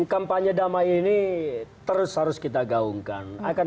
kampanye damai ini terus harus kita gaungkan